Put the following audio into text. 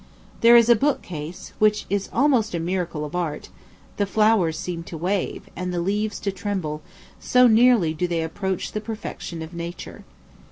There is a bookcase, which is almost a miracle of art; the flowers seem to wave, and the leaves to tremble, so nearly do they approach the perfection of nature.